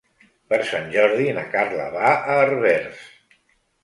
Per Sant Jordi na Carla va a Herbers.